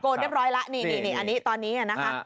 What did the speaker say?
โกรธเรียบร้อยแล้วนี่ตอนนี้นะคะ